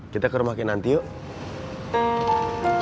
kita ke rumah ke nanti yuk